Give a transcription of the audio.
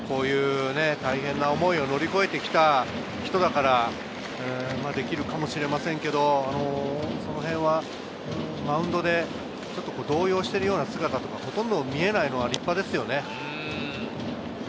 大変な思いを乗り越えてきた人だからできるかもしれませんけれど、そのへんはマウンドで動揺しているような姿が見えないのは立派ですよね。